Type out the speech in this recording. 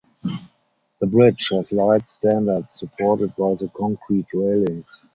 The bridge has light standards supported by the concrete railings.